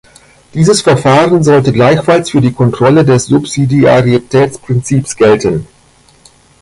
Dieses Verfahren sollte gleichfalls für die Kontrolle des Subsidiaritätsprinzips gelten.